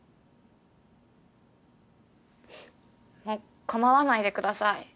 もう構わないでください。